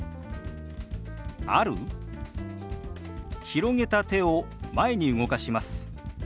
広げた手を前に動かします。